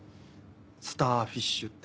スターフィッシュって。